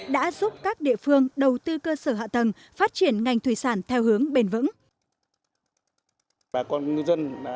đã giúp các địa phương đầu tư cơ sở hạ tầng phát triển ngành thủy sản theo hướng bền vững